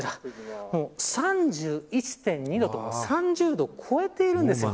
もう３１．２度と３０度を超えているんです。